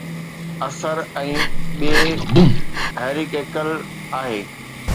اثر ۽ ٻئي hierarchical آهن.